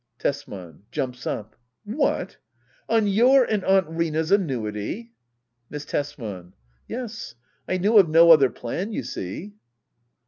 Tesman. [Jumps up.] What ! On your — and Aunt Rina's annuity! Miss Tesman. Yes^ I knew of no other plan^ you see.